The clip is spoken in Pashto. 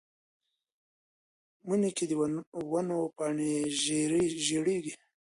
مني کې د ونو پاڼې ژیړیږي